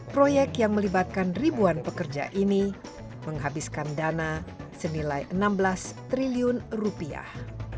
proyek yang melibatkan ribuan pekerja ini menghabiskan dana senilai enam belas triliun rupiah